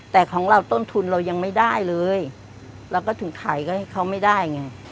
แต่ของเราต้นทุนเรายังไม่ได้เลยเราก็ถึงขายก็ให้เขาไม่ได้ไง